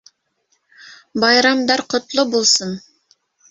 Байрамдар ҡотло булсын!